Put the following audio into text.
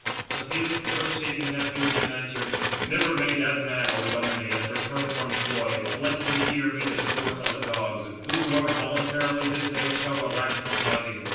But him earth shaking Neptune then answered: "Never may that man, O Idomeneus, return from Troy, but let him here be the sport of the dogs, whosoever voluntarily this day shall relax from fighting.